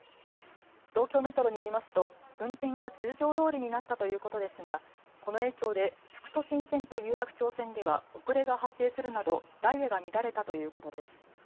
東京メトロによりますと運転は通常どおりになったということですがこの影響で副都心線と有楽町線では遅れが発生するなどダイヤが乱れたということです。